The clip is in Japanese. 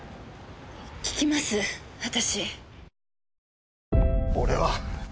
聞きます私。